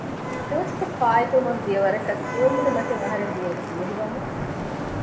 ދުވަސްތަށް ފާއިތުވަމުން ދިޔަ ވަރަކަށް ކިޔެވުމުގެ މަތިން އަހަރެން ދިޔައީ ފޫހިވަމުން